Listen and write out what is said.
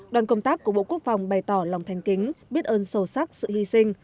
đoàn công tác của bộ quốc phòng bày tỏ lòng thanh kính biết ơn sâu sắc sự hy sinh